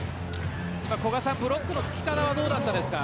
ブロックのつき方はどうだったですか？